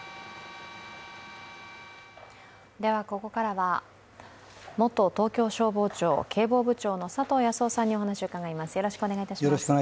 ここからは元東京消防庁警防部長の佐藤康雄さんにお話を伺います。